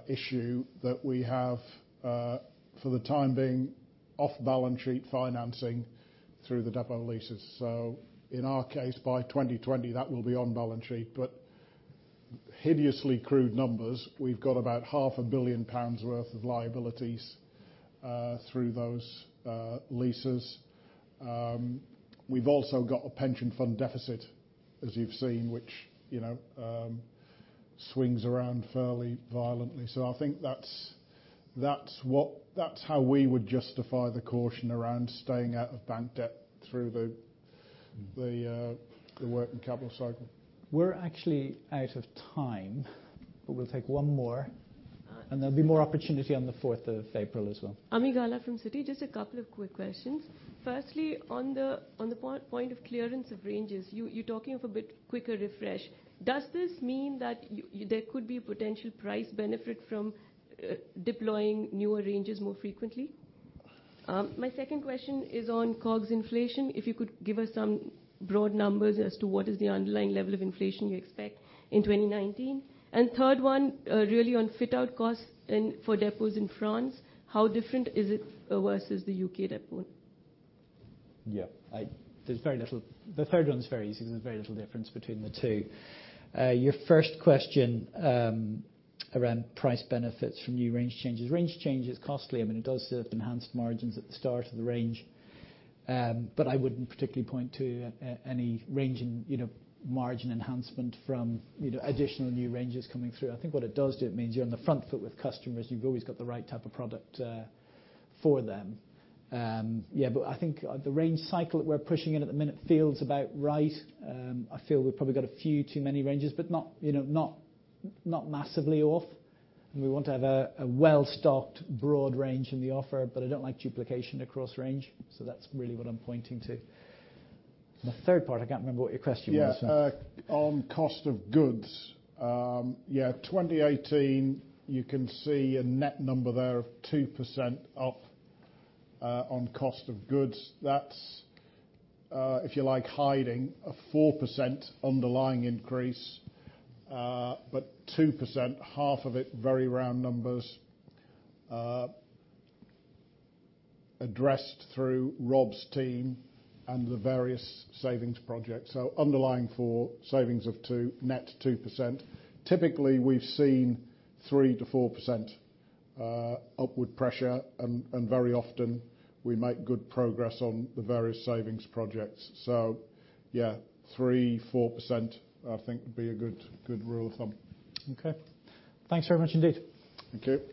issue that we have, for the time being, off balance sheet financing through the depot leases. In our case, by 2020, that will be on balance sheet. Hideously crude numbers, we've got about half a billion pounds worth of liabilities through those leases. We've also got a pension fund deficit, as you've seen, which swings around fairly violently. I think that's how we would justify the caution around staying out of bank debt through the working capital cycle. We're actually out of time, but we'll take one more, and there'll be more opportunity on the 4th of April as well. Ami Galla from Citi. Just a couple of quick questions. Firstly, on the point of clearance of ranges, you're talking of a bit quicker refresh. Does this mean that there could be potential price benefit from deploying newer ranges more frequently? My second question is on COGS inflation. If you could give us some broad numbers as to what is the underlying level of inflation you expect in 2019. Third one, really on fit-out costs and for depots in France, how different is it versus the U.K. depot? The third one's very easy because there's very little difference between the two. Your first question around price benefits from new range changes. Range change is costly. I mean, it does serve enhanced margins at the start of the range. I wouldn't particularly point to any range in margin enhancement from additional new ranges coming through. I think what it does do, it means you're on the front foot with customers. You've always got the right type of product for them. I think the range cycle that we're pushing in at the minute feels about right. I feel we've probably got a few too many ranges, but not massively off. We want to have a well-stocked, broad range in the offer, but I don't like duplication across range. That's really what I'm pointing to. The third part, I can't remember what your question was. On cost of goods. 2018, you can see a net number there of 2% up on cost of goods. That's, if you like, hiding a 4% underlying increase. 2%, half of it, very round numbers, addressed through Rob's team and the various savings projects. Underlying for savings of net 2%. Typically, we've seen 3%-4% upward pressure, and very often we make good progress on the various savings projects. 3%, 4% I think would be a good rule of thumb. Okay. Thanks very much indeed. Thank you.